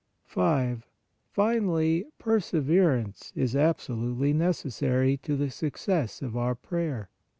5. Finally, PERSEVERANCE is ABSOLUTELY NECES SARY to the success of our prayer.